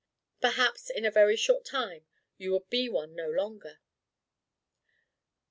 Perhaps, in a very short time, you would be one no longer.